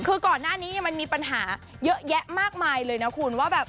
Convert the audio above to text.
คือก่อนหน้านี้มันมีปัญหาเยอะแยะมากมายเลยนะคุณว่าแบบ